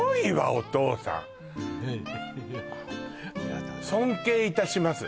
お父さん尊敬いたします